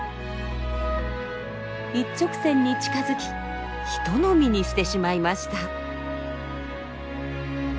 一直線に近づきひと飲みにしてしまいました。